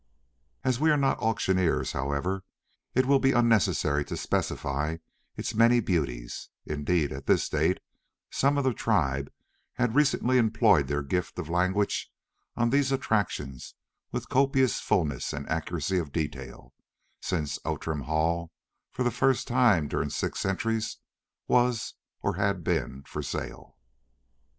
As we are not auctioneers, however, it will be unnecessary to specify its many beauties; indeed, at this date, some of the tribe had recently employed their gift of language on these attractions with copious fulness and accuracy of detail, since Outram Hall, for the first time during six centuries, was, or had been, for sale.